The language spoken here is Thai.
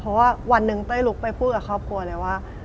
เพราะว่าวันหนึ่งเต้ยลุกไปพูดกับครอบครัวเลยว่า